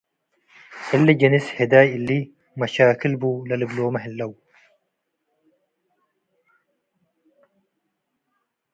እሊ ጅንስ ህዳይ እሊ መሻክል ቡ ለልብሎመ ህለው ።